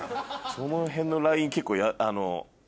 その辺のライン結構。